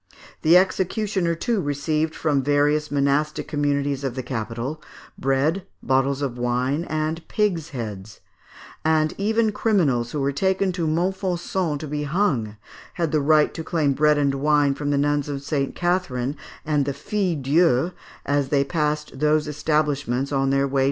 The executioner too received, from various monastic communities of the capital, bread, bottles of wine, and pigs' heads; and even criminals who were taken to Montfaucon to be hung had the right to claim bread and wine from the nuns of St. Catherine and the Filles Dieux, as they passed those establishments on their way to the gibbet.